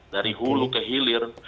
dari hulu kehilir